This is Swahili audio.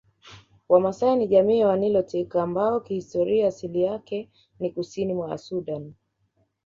Wamasai ni jamii ya nilotiki ambayo kihistoria asilia yake ni Kusini mwa Sudani